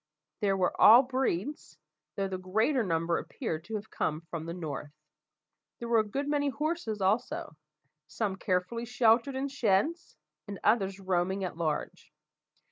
They were of all breeds, though the greater number appeared to have come from the north. There were a good many horses also some carefully sheltered in sheds, and others roaming at large.